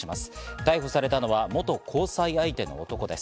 逮捕されたのは元交際相手の男です。